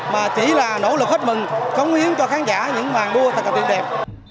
mà chỉ là nỗ lực hết mình cống hiến cho khán giả những màn đua thật là tuyệt đẹp